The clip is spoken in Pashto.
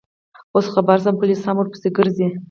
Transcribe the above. اوس خبر شوم، پولیس هم ورپسې ګرځي.